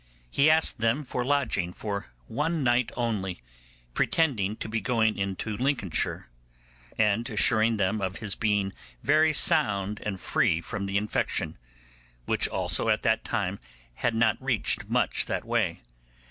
He asked them for lodging for one night only, pretending to be going into Lincolnshire, and assuring them of his being very sound and free from the infection, which also at that time had not reached much that way.